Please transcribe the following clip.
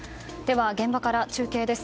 現場から中継です。